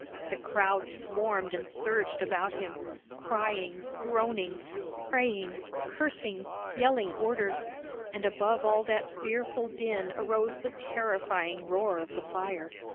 The crowds swarmed and surged about him, crying, groaning, praying, cursing, yelling orders; and above all that fearful din arose the terrifying roar of the fire.